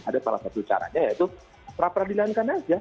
ada salah satu caranya yaitu peradilankan aja